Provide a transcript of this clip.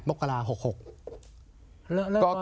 ๒๘มกราคมปี๖๖